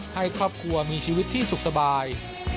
ให้ครอบครัวมีชีวิตที่สุขสบาย